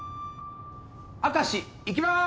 明石いきます！